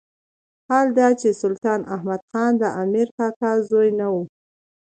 حال دا چې سلطان احمد خان د امیر کاکا زوی نه وو.